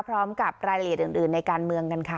พร้อมกับรายละเอียดอื่นในการเมืองกันค่ะ